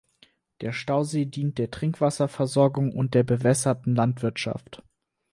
Der Stausee dient der Trinkwasserversorgung und der bewässerten Landwirtschaft.